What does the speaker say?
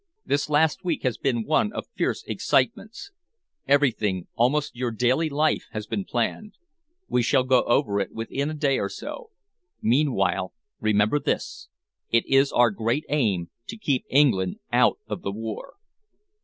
This last week has been one of fierce excitements. Everything, almost your daily life, has been planned. We shall go over it within a day or so. Meanwhile, remember this. It is our great aim to keep England out of the war."